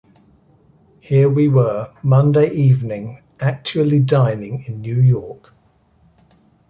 Here we were, Monday evening, actually dining in New York.